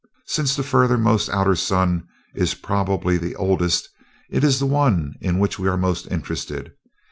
Since the furthermost outer sun is probably the oldest, it is the one in which we are most interested.